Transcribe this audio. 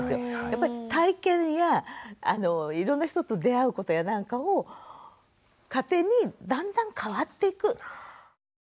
やっぱり体験やいろんな人と出会うことやなんかを糧にだんだん変わっていく。